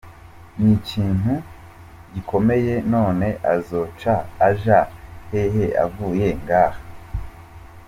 n'ikintu gikomeye- none azoca aja hehe avuye ngaha"?.